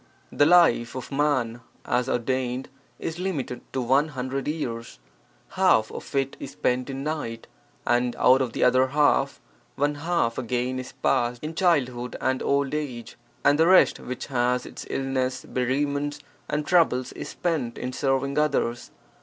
The life of man (as ordained) is limited to one hundred years; half of it is spent in night, and out of the other half one half again is passed in childhood and old age; and the rest which has its illness, bereavements, and troubles is spent in serving (others).